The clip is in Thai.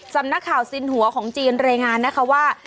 สำนักข่าวสินหัวของจีนรายงานนะคะว่า